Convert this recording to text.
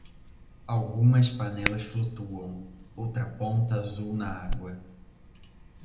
Algumas panelas flutuam, outra ponta azul na água.